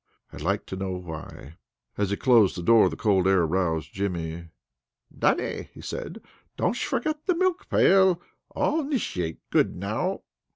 I'd like to know why." As he closed the door, the cold air roused Jimmy. "Dannie," he said, "donsh forget the milk pail. All 'niciate good now."